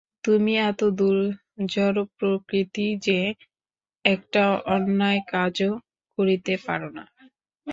তুমি এতদূর জড়প্রকৃতি যে, একটা অন্যায় কাজও করিতে পার না।